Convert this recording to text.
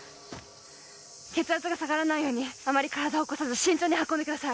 血圧が下がらないようにあまり体を起こさず慎重に運んでください